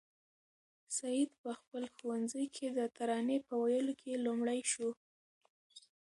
سعید په خپل ښوونځي کې د ترانې په ویلو کې لومړی شو.